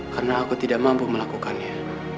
karena aku tidak mampu melakukannya